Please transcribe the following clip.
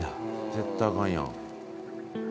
絶対あかんやん。